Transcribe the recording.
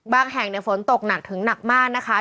แห่งฝนตกหนักถึงหนักมากนะคะ